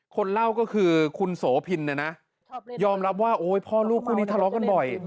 คนเล่าก็คือคุณโสพินเนี่ยนะยอมรับว่าโอ้ยพ่อลูกคู่นี้ทะเลาะกันบ่อย